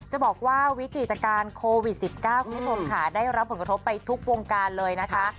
จะบอกว่าวิกฤตการณ์โควิด๑๙คุณผู้ชมค่ะได้รับผลกระทบไปทุกวงการเลยนะคะ